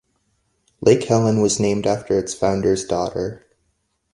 Lake Helen was named after its founder's daughter.